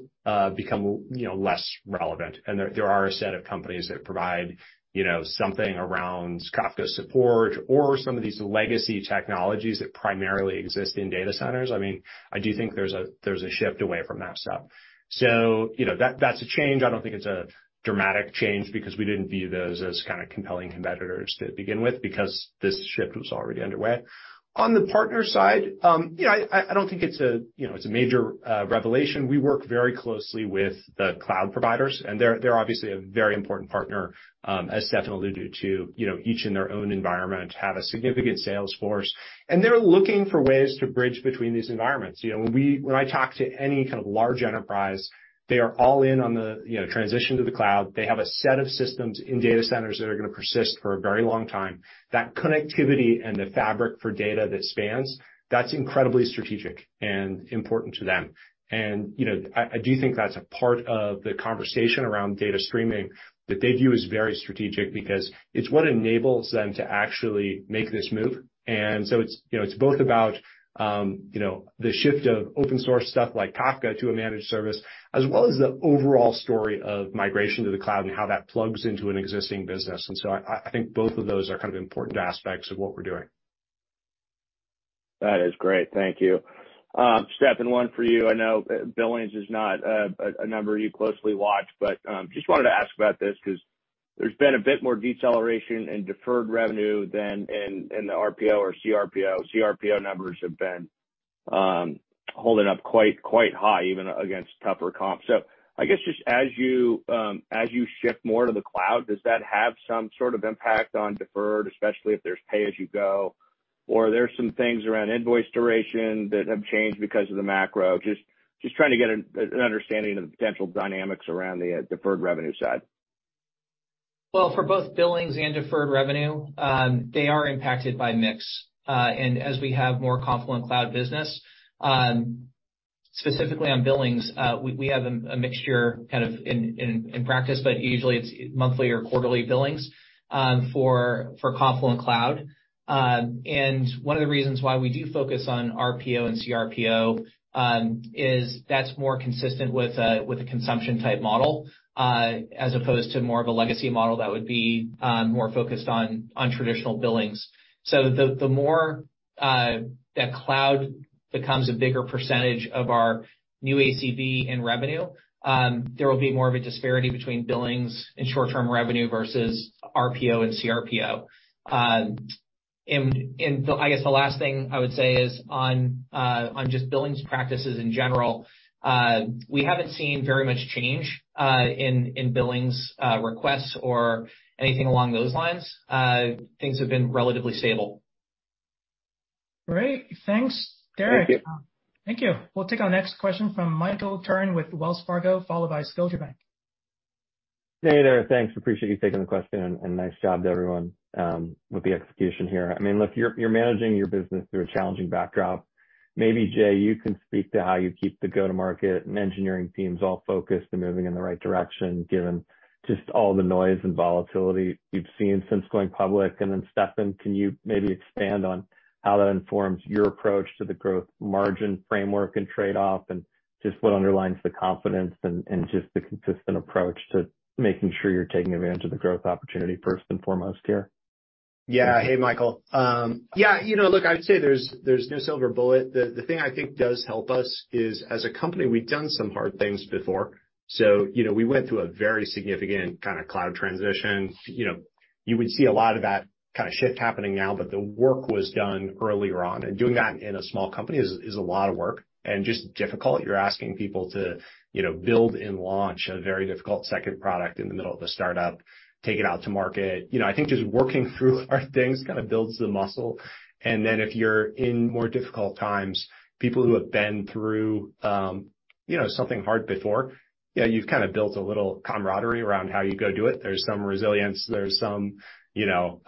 B: become, you know, less relevant. There are a set of companies that provide, you know, something around Kafka support or some of these legacy technologies that primarily exist in data centers. I mean, I do think there's a shift away from that stuff. You know, that's a change. I don't think it's a dramatic change because we didn't view those as kinda compelling competitors to begin with because this shift was already underway. On the partner side, you know, I don't think it's a major revelation. We work very closely with the cloud providers, and they're obviously a very important partner, as Steffan alluded to. You know, each in their own environment have a significant sales force, and they're looking for ways to bridge between these environments. You know, when I talk to any kind of large enterprise, they are all in on the, you know, transition to the cloud. They have a set of systems in data centers that are gonna persist for a very long time. That connectivity and the fabric for data that spans, that's incredibly strategic and important to them. You know, I do think that's a part of the conversation around data streaming that they view as very strategic because it's what enables them to actually make this move. It's both about, you know, the shift of open source stuff like Kafka to a managed service, as well as the overall story of migration to the cloud and how that plugs into an existing business. I think both of those are kind of important aspects of what we're doing.
H: That is great. Thank you. Steffan, one for you. I know billings is not a number you closely watch, but just wanted to ask about this because there's been a bit more deceleration in deferred revenue than in the RPO or CRPO. CRPO numbers have been holding up quite high, even against tougher comps. I guess just as you shift more to the cloud, does that have some sort of impact on deferred, especially if there's pay-as-you-go? Or are there some things around invoice duration that have changed because of the macro? Just trying to get an understanding of the potential dynamics around the deferred revenue side.
C: Well, for both billings and deferred revenue, they are impacted by mix. As we have more Confluent Cloud business, specifically on billings, we have a mixture kind of in practice, but usually it's monthly or quarterly billings for Confluent Cloud. One of the reasons why we do focus on RPO and CRPO is that's more consistent with a consumption-type model, as opposed to more of a legacy model that would be more focused on traditional billings. The more that cloud becomes a bigger percentage of our new ACV and revenue, there will be more of a disparity between billings and short-term revenue versus RPO and CRPO. I guess the last thing I would say is on just billings practices in general, we haven't seen very much change in billings requests or anything along those lines. Things have been relatively stable.
A: Great. Thanks, Derek.
H: Thank you.
A: Thank you. We'll take our next question from Michael Turrin with Wells Fargo, followed by Scotiabank.
I: Hey there. Thanks. Appreciate you taking the question, and nice job to everyone with the execution here. I mean, look, you're managing your business through a challenging backdrop. Maybe, Jay, you can speak to how you keep the go-to-market and engineering teams all focused and moving in the right direction, given just all the noise and volatility you've seen since going public. Then, Steffan, can you maybe expand on how that informs your approach to the growth margin framework and trade-off, and just what underlines the confidence and just the consistent approach to making sure you're taking advantage of the growth opportunity first and foremost here?
B: Yeah. Hey, Michael. Yeah, you know, look, I'd say there's no silver bullet. The thing I think does help us is, as a company, we've done some hard things before. You know, we went through a very significant kinda cloud transition. You know, you would see a lot of that kinda shift happening now, but the work was done earlier on. Doing that in a small company is a lot of work and just difficult. You're asking people to, you know, build and launch a very difficult second product in the middle of a startup, take it out to market. You know, I think just working through hard things kinda builds the muscle. If you're in more difficult times, people who have been through, you know, something hard before, yeah, you've kinda built a little camaraderie around how you go do it. There's some resilience, there's some, you know.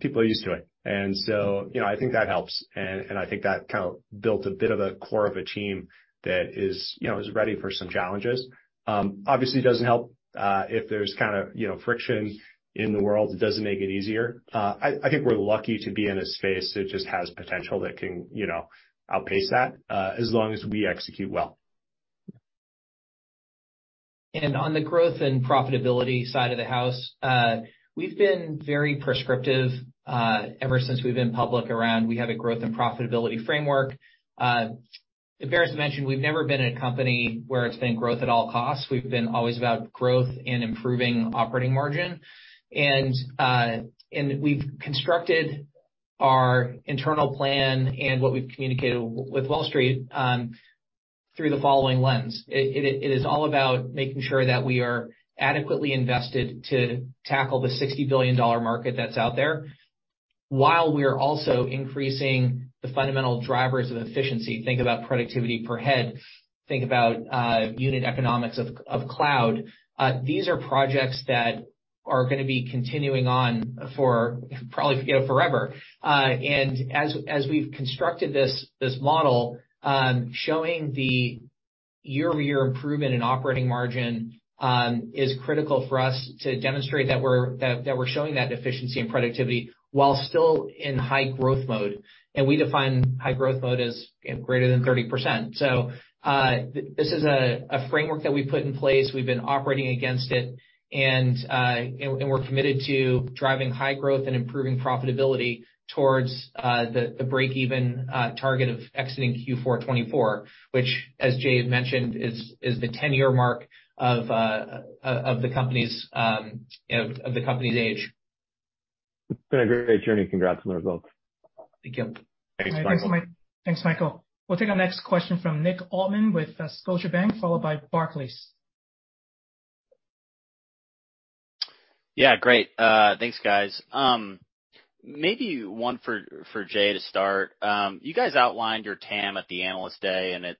B: People are used to it. You know, I think that helps. I think that kind of built a bit of a core of a team that is, you know, ready for some challenges. Obviously it doesn't help if there's kinda, you know, friction in the world, it doesn't make it easier. I think we're lucky to be in a space that just has potential that can, you know, outpace that, as long as we execute well.
C: On the growth and profitability side of the house, we've been very prescriptive ever since we've been public, we have a growth and profitability framework. Embarrassed to mention we've never been a company where it's been growth at all costs. We've been always about growth and improving operating margin. We've constructed our internal plan and what we've communicated with Wall Street through the following lens. It is all about making sure that we are adequately invested to tackle the $60 billion market that's out there while we are also increasing the fundamental drivers of efficiency. Think about productivity per head, think about unit economics of cloud. These are projects that are gonna be continuing on for probably, you know, forever. As we've constructed this model showing the year-over-year improvement in operating margin is critical for us to demonstrate that we're showing that efficiency and productivity while still in high growth mode. We define high growth mode as, you know, greater than 30%. This is a framework that we put in place. We've been operating against it, and we're committed to driving high growth and improving profitability towards the break-even target of exiting Q4 2024, which, as Jay had mentioned, is the 10-year mark of the company's age.
I: It's been a great journey. Congrats on the results.
C: Thank you.
B: Thanks, Michael.
A: Thanks, Michael. We'll take our next question from Nick Altmann with Scotiabank, followed by Barclays.
J: Yeah, great. Thanks, guys. Maybe one for Jay to start. You guys outlined your TAM at the Analyst Day, and it,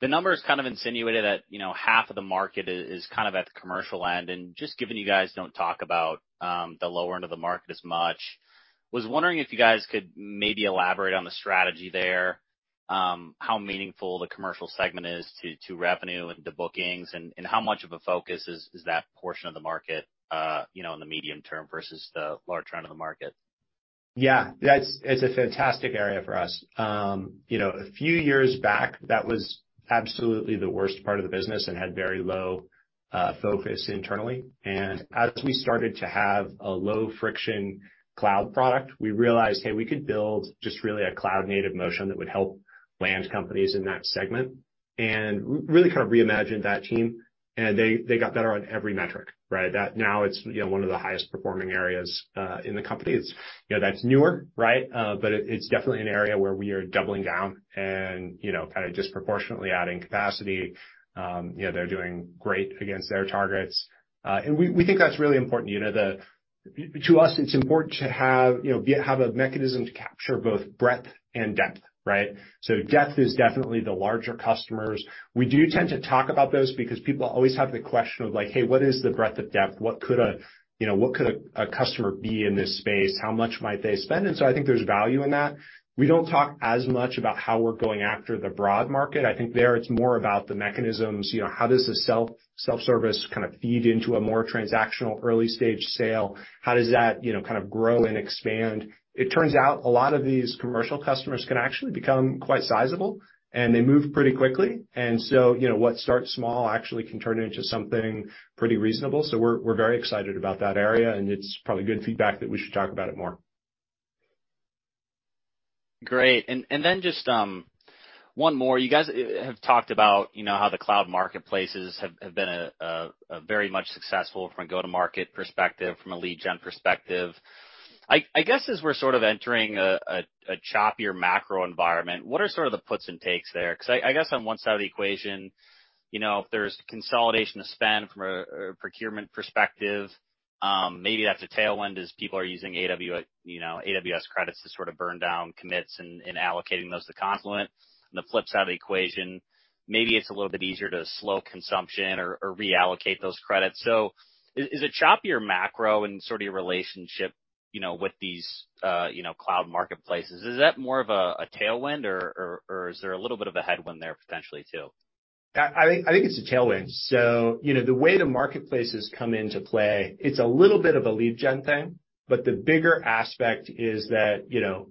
J: the numbers kind of insinuated that, you know, half of the market is kind of at the commercial end. Just given you guys don't talk about the lower end of the market as much, was wondering if you guys could maybe elaborate on the strategy there, how meaningful the commercial segment is to revenue and to bookings, and how much of a focus is that portion of the market, you know, in the medium-term versus the larger end of the market?
B: Yeah. That's. It's a fantastic area for us. You know, a few years back, that was absolutely the worst part of the business and had very low focus internally. As we started to have a low-friction cloud product, we realized, hey, we could build just really a cloud-native motion that would help land companies in that segment. Really kind of reimagined that team, and they got better on every metric, right? That now it's you know, one of the highest performing areas in the company. It's you know, that's newer, right? But it's definitely an area where we are doubling down and you know, kinda disproportionately adding capacity. You know, they're doing great against their targets. And we think that's really important. You know, the To us, it's important to have, you know, a mechanism to capture both breadth and depth, right? Depth is definitely the larger customers. We do tend to talk about those because people always have the question of like, "Hey, what is the breadth of depth? What could a customer be in this space? How much might they spend?" I think there's value in that. We don't talk as much about how we're going after the broad market. I think there it's more about the mechanisms, you know, how does the self-service kind of feed into a more transactional early-stage sale? How does that, you know, kind of grow and expand? It turns out a lot of these commercial customers can actually become quite sizable, and they move pretty quickly. You know, what starts small actually can turn into something pretty reasonable, so we're very excited about that area, and it's probably good feedback that we should talk about it more.
J: Great. Then just one more. You guys have talked about, you know, how the cloud marketplaces have been a very much successful from a go-to-market perspective, from a lead gen perspective. I guess as we're sort of entering a choppier macro environment, what are sort of the puts and takes there? 'Cause I guess on one side of the equation, you know, if there's consolidation of spend from a procurement perspective, maybe that's a tailwind as people are using AWS credits to sort of burn down commits and allocating those to Confluent. On the flip side of the equation, maybe it's a little bit easier to slow consumption or reallocate those credits. So is it choppier macro in sort of your relationship, you know, with these cloud marketplaces? Is that more of a tailwind, or is there a little bit of a headwind there potentially too?
B: I think it's a tailwind. You know, the way the marketplaces come into play, it's a little bit of a lead gen thing, but the bigger aspect is that, you know,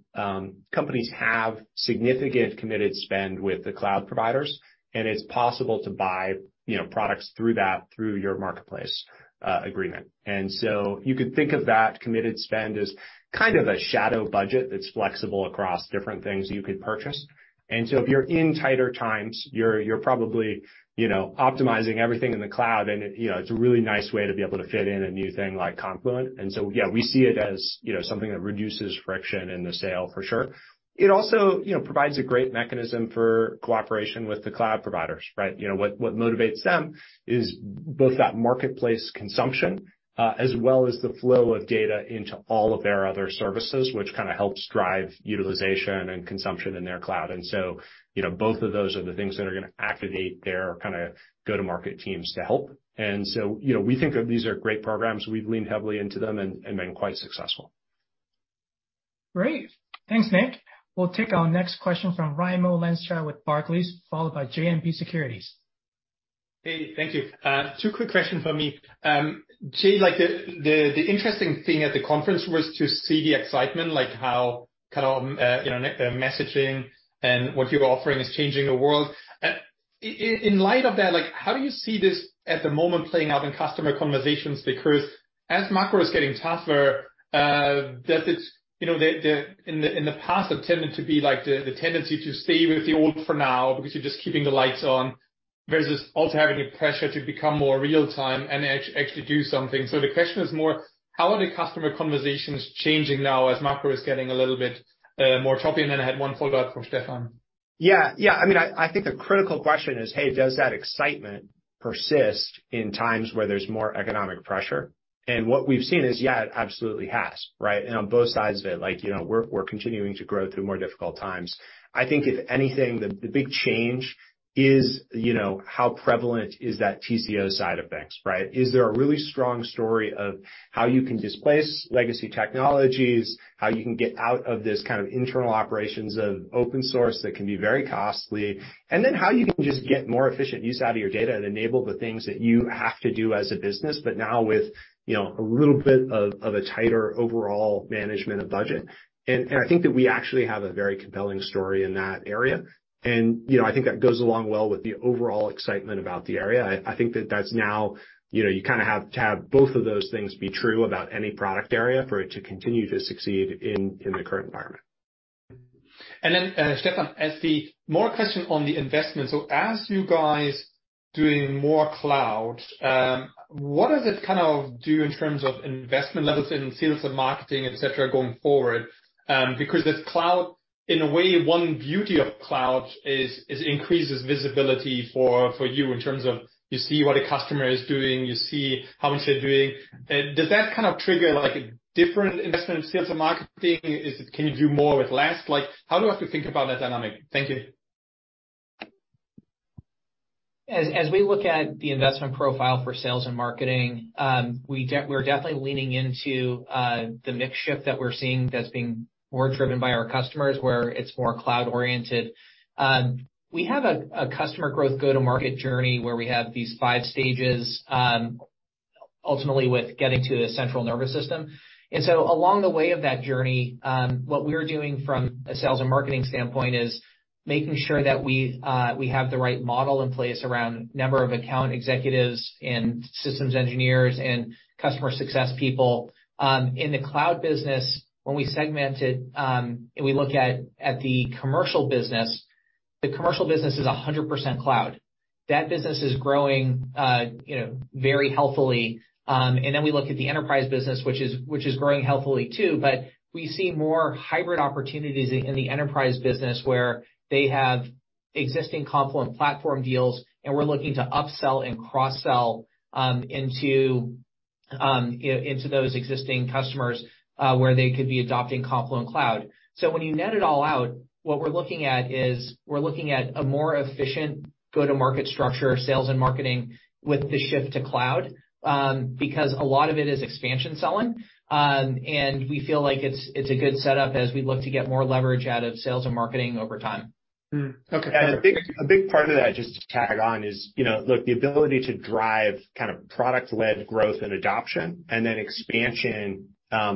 B: companies have significant committed spend with the cloud providers, and it's possible to buy, you know, products through that, through your marketplace agreement. You could think of that committed spend as kind of a shadow budget that's flexible across different things you could purchase. If you're in tighter times, you're probably, you know, optimizing everything in the cloud, and, you know, it's a really nice way to be able to fit in a new thing like Confluent. Yeah, we see it as, you know, something that reduces friction in the sale for sure. It also, you know, provides a great mechanism for cooperation with the cloud providers, right? You know, what motivates them is both that marketplace consumption, as well as the flow of data into all of their other services, which kind of helps drive utilization and consumption in their cloud. You know, both of those are the things that are gonna activate their kinda go-to-market teams to help. You know, we think of these are great programs. We've leaned heavily into them and been quite successful.
A: Great. Thanks, Nick. We'll take our next question from Raimo Lenschow with Barclays, followed by JMP Securities.
K: Hey, thank you. Two quick question from me. Jay, like the interesting thing at the conference was to see the excitement, like how kind of in messaging and what you're offering is changing the world. In light of that, like how do you see this at the moment playing out in customer conversations? Because as macro is getting tougher, does it in the past have tended to be like the tendency to stay with the old for now because you're just keeping the lights on versus also having a pressure to become more real time and actually do something. The question is more how are the customer conversations changing now as macro is getting a little bit more choppy? Then I had one follow-up for Steffan.
B: Yeah. Yeah. I mean, I think the critical question is: Hey, does that excitement persist in times where there's more economic pressure? What we've seen is, yeah, it absolutely has, right? On both sides of it, like, you know, we're continuing to grow through more difficult times. I think if anything, the big change is, you know, how prevalent is that TCO side of things, right? Is there a really strong story of how you can displace legacy technologies, how you can get out of this kind of internal operations of open source that can be very costly, and then how you can just get more efficient use out of your data and enable the things that you have to do as a business, but now with, you know, a little bit of a tighter overall management of budget. I think that we actually have a very compelling story in that area. You know, I think that goes along well with the overall excitement about the area. I think that that's now. You know, you kinda have to have both of those things be true about any product area for it to continue to succeed in the current environment.
K: Steffan, another question on the investment. As you guys doing more cloud, what does it kind of do in terms of investment levels in sales and marketing, et cetera, going forward? Because this cloud, in a way, one beauty of cloud is it increases visibility for you in terms of you see what a customer is doing, you see how much they're doing. Does that kind of trigger like a different investment in sales and marketing? Is it can you do more with less? Like, how do I have to think about that dynamic? Thank you.
C: As we look at the investment profile for sales and marketing, we're definitely leaning into the mix shift that we're seeing that's being more driven by our customers, where it's more cloud oriented. We have a customer growth go-to-market journey where we have these five stages, ultimately with getting to a central nervous system. Along the way of that journey, what we're doing from a sales and marketing standpoint is making sure that we have the right model in place around number of account executives and systems engineers and customer success people. In the cloud business, when we segment it, and we look at the commercial business. The commercial business is 100% cloud. That business is growing, you know, very healthily. We look at the enterprise business which is growing healthily too, but we see more hybrid opportunities in the enterprise business where they have existing Confluent Platform deals, and we're looking to upsell and cross-sell into you know into those existing customers where they could be adopting Confluent Cloud. When you net it all out, what we're looking at is a more efficient go-to-market structure, sales and marketing with the shift to cloud because a lot of it is expansion selling. We feel like it's a good setup as we look to get more leverage out of sales and marketing over time.
K: Okay.
B: A big part of that, just to tag on, is, you know, look, the ability to drive kind of product-led growth and adoption and then expansion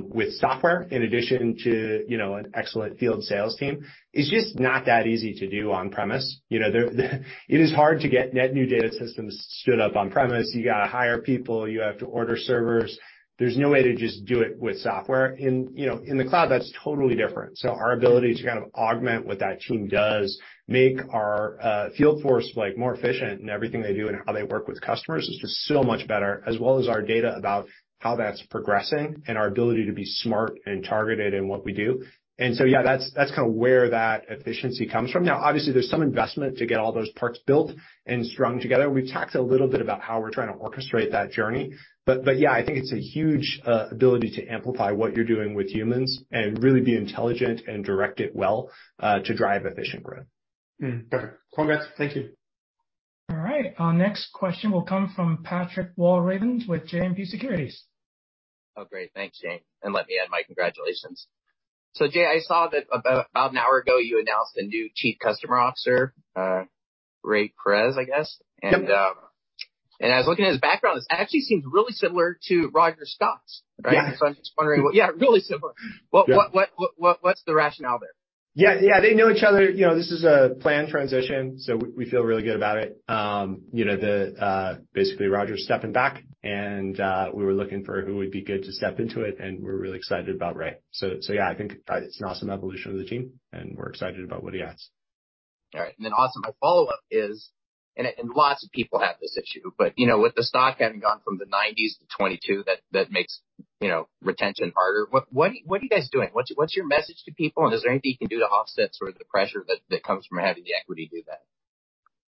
B: with software in addition to, you know, an excellent field sales team is just not that easy to do on premise. You know, it is hard to get net new data systems stood up on premise. You gotta hire people. You have to order servers. There's no way to just do it with software. You know, in the cloud, that's totally different. Our ability to kind of augment what that team does, make our field force, like, more efficient in everything they do and how they work with customers is just so much better, as well as our data about how that's progressing and our ability to be smart and targeted in what we do. Yeah, that's where that efficiency comes from. Now, obviously there's some investment to get all those parts built and strung together. We've talked a little bit about how we're trying to orchestrate that journey, but yeah, I think it's a huge ability to amplify what you're doing with humans and really be intelligent and direct it well, to drive efficient growth.
K: Okay. Congrats. Thank you.
A: All right, our next question will come from Patrick Walravens with JMP Securities.
L: Oh, great. Thanks, Jay. Let me add my congratulations. Jay, I saw that about an hour ago you announced a new Chief Customer Officer, Rey Perez, I guess.
B: Yep.
L: I was looking at his background. This actually seems really similar to Roger Scott's, right?
B: Yeah.
L: I'm just wondering. Yeah, really similar. What's the rationale there?
B: Yeah, yeah. They know each other. You know, this is a planned transition, so we feel really good about it. You know, basically Roger's stepping back, and we were looking for who would be good to step into it, and we're really excited about Ray. Yeah, I think it's an awesome evolution of the team, and we're excited about what he adds.
L: All right. Also my follow-up is, lots of people have this issue, but, you know, with the stock having gone from the 90s to 22, that makes, you know, retention harder. What are you guys doing? What's your message to people, and is there anything you can do to offset sort of the pressure that comes from having the equity do that?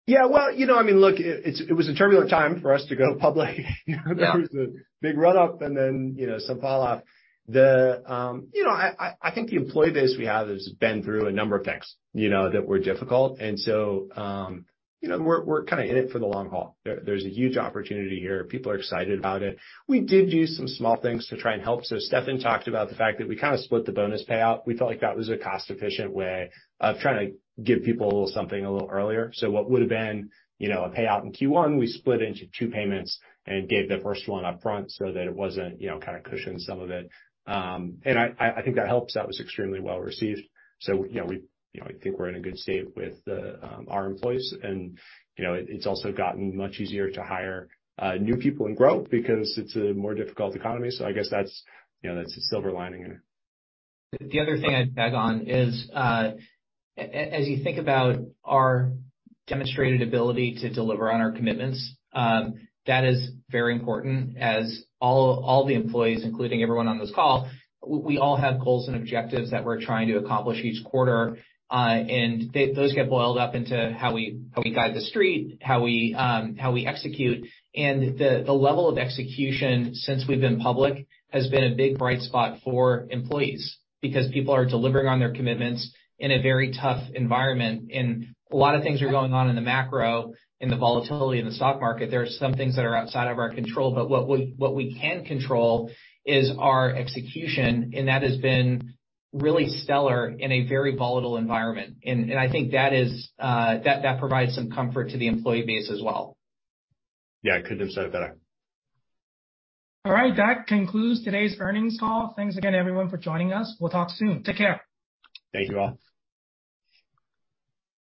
B: Yeah. Well, you know, I mean, look, it was a turbulent time for us to go public.
L: Yeah.
B: You know, there was a big run up and then, you know, some fall off. You know, I think the employee base we have has been through a number of things, you know, that were difficult. You know, we're kinda in it for the long haul. There's a huge opportunity here. People are excited about it. We did do some small things to try and help. Steffan talked about the fact that we kinda split the bonus payout. We felt like that was a cost-efficient way of trying to give people a little something a little earlier. What would've been, you know, a payout in Q1, we split into two payments and gave the first one upfront so that it wasn't, you know, kinda cushioned some of it. I think that helps. That was extremely well-received. You know, we, you know, I think we're in a good state with our employees, and, you know, it's also gotten much easier to hire new people and grow because it's a more difficult economy. I guess that's, you know, a silver lining in it.
C: The other thing I'd tag on is, as you think about our demonstrated ability to deliver on our commitments, that is very important as all the employees, including everyone on this call, we all have goals and objectives that we're trying to accomplish each quarter. Those get boiled up into how we guide the street, how we execute. The level of execution since we've been public has been a big bright spot for employees because people are delivering on their commitments in a very tough environment. A lot of things are going on in the macro, in the volatility in the stock market. There are some things that are outside of our control, but what we can control is our execution, and that has been really stellar in a very volatile environment. I think that provides some comfort to the employee base as well.
B: Yeah. I couldn't have said it better.
A: All right. That concludes today's earnings call. Thanks again, everyone, for joining us. We'll talk soon. Take care.
B: Thank you all.